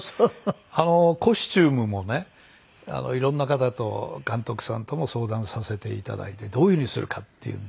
あのコスチュームもねいろんな方と監督さんとも相談させていただいてどういう風にするかっていうんで。